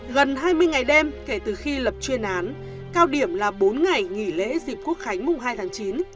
gần hai mươi ngày đêm kể từ khi lập chuyên án cao điểm là bốn ngày nghỉ lễ dịp quốc khánh mùng hai tháng chín